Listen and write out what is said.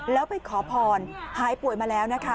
แล้วไปขอพรหายป่วยมาแล้วนะคะ